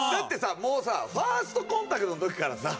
もうさファーストコンタクトの時からさ。